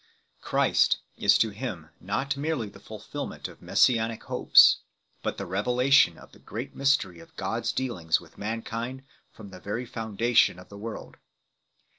Christ is to him not merely the fulfilment of Messianic hopes, but the revelation of the great mystery of God s dealings with mankind from the very foundation of the world.